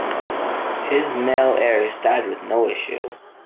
His male heirs died with no issue.